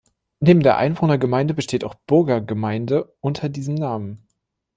Neben der Einwohnergemeinde besteht auch Burgergemeinde unter diesem Namen.